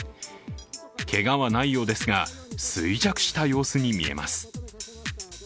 けがはないようですが衰弱した様子に見えます。